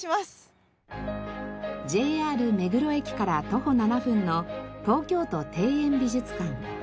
ＪＲ目黒駅から徒歩７分の東京都庭園美術館。